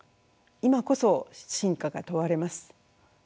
今こそ真価が問われます。